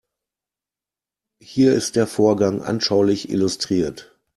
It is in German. Hier ist der Vorgang anschaulich illustriert.